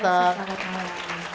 terima kasih sangat terima kasih